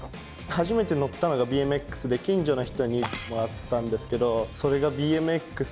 初めて乗ったのがＢＭＸで近所の人にもらったんですけどそれがＢＭＸで。